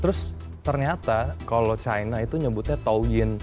terus ternyata kalau china itu nyebutnya toyin